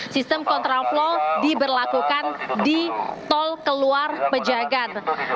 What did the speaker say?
sistem kontraflow diberlakukan di tol keluar pejagan